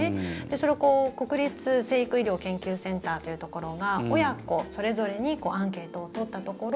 それを国立成育医療研究センターというところが親子それぞれにアンケートを取ったところ